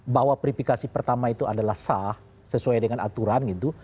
bahwa verifikasi pertama itu adalah sah sesuai dengan aturan gitu